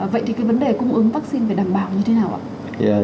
vậy thì cái vấn đề cung ứng vắc xin phải đảm bảo như thế nào ạ